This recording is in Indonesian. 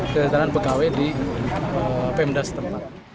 kesedaran pkw di pemdas tempat